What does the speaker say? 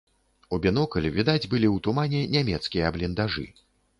У бінокль відаць былі ў тумане нямецкія бліндажы.